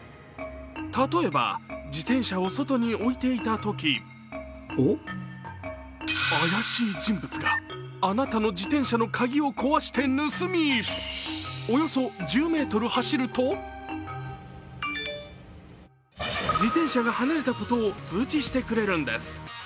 例えば、自転車を外に置いていたとき怪しい人物があなたの自転車の鍵を壊して盗みおよそ１０ｍ走ると、自転車が離れたことを通知してくれるんです。